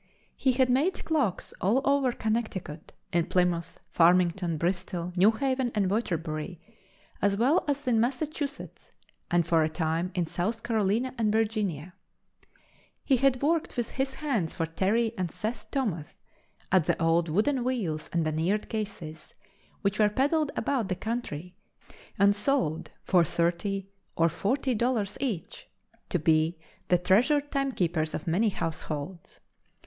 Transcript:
He had made clocks all over Connecticut, in Plymouth, Farmington, Bristol, New Haven and Waterbury, as well as in Massachusetts and, for a time, in South Carolina and Virginia. He had worked with his hands for Terry and Seth Thomas at the old wooden wheels and veneered cases, which were peddled about the country and sold for thirty or forty dollars each to be the treasured timekeepers of many households.